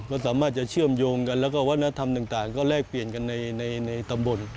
ก็สามารถจะเชื่อมโยงกันแล้วก็วัฒนธรรมต่างก็แลกเปลี่ยนกันในตำบล